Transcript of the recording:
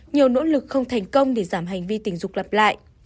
nhiều nỗ lực không thành công để giảm hành vi tình dục lặp lại